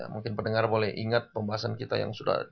mungkin pendengar boleh ingat pembahasan kita yang sudah